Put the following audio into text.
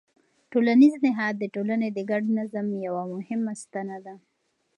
ټولنیز نهاد د ټولنې د ګډ نظم یوه مهمه ستنه ده.